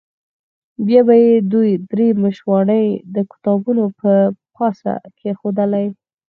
بیا به یې دوې درې مشواڼۍ د کتابونو پر پاسه کېښودلې.